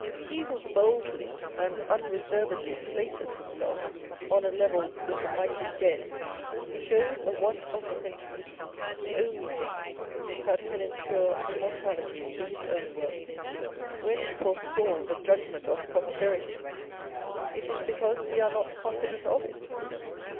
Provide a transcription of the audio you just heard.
Ho who boldly and unreservedly places himself on a level with the miglity dead, shows a want of sentiment â€" the only thing that can ensure immortality to his own works. When we forestall the judgment of posterity, it is because we are not confi dent of it.